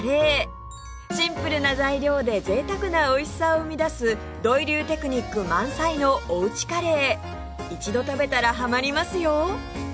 シンプルな材料で贅沢なおいしさを生み出す土井流テクニック満載のおうちカレー一度食べたらハマりますよ！